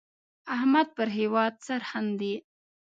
احمد پر هېواد سرښندي.